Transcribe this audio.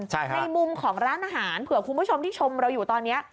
ใช่ครับในมุมของร้านอาหารเผื่อคุณผู้ชมที่ชมเราอยู่ตอนนี้